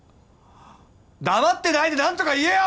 黙ってないでなんとか言えよ！